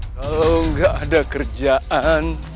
kalau gak ada kerjaan